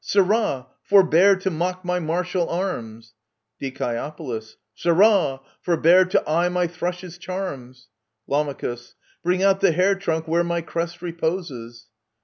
Sirrah ! forbear to mock my martial arms ! Die. Sirrah ! forbear to eye my thrushes' charms ! Lam. Bring out the hair trunk where my crest reposes